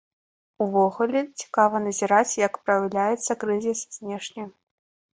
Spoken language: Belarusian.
Увогуле, цікава назіраць, як праяўляецца крызіс знешне.